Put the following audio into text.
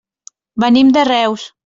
Venim de Reus.